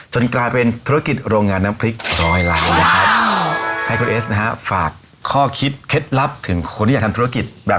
จนกลายเป็นธุรกิจโรงงานน้ำพริก๑๐๐ชาติ